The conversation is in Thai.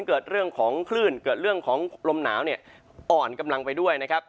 เกิดเรื่องของคลื่นเกิดเรื่องของลมหนาวเนี่ยอ่อนกำลังไปด้วยนะครับ